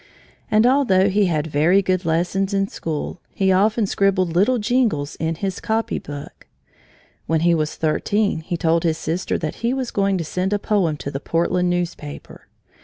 And although he had very good lessons in school, he often scribbled little jingles in his copy book. When he was thirteen, he told his sister that he was going to send a poem to the Portland newspaper.